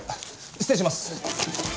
失礼します。